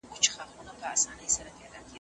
که ړوند هلک ونه غواړي، له ډاره به په اوږه باندي